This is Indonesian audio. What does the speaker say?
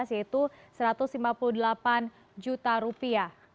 yaitu rp satu ratus lima puluh delapan juta